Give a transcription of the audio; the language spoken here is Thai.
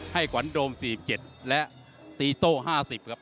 ขวัญโดม๔๗และตีโต้๕๐ครับ